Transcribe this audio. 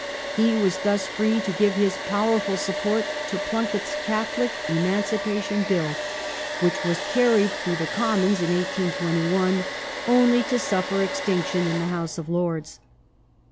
He was thus free to give his powerful support to Plunket's Catholic Emancipation Bill, which was carried through the Commons in 1821, only to suff'er extinction in the House of Lords.